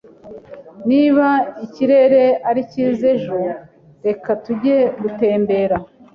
Niba ikirere ari cyiza ejo, reka tujye gutembera.